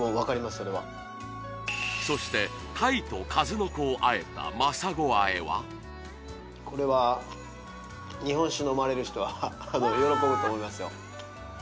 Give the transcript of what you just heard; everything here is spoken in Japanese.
それはそして鯛と数の子を和えた真砂和えはこれは日本酒飲まれる人は喜ぶと思いますよ